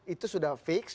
itu sudah fix